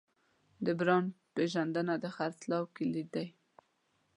د برانډ پیژندنه د خرڅلاو کلید دی.